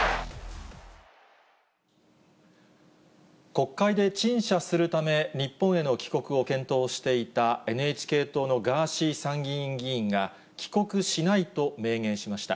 国会で陳謝するため、日本への帰国を検討していたＮＨＫ党のガーシー参議院議員が、帰国しないと明言しました。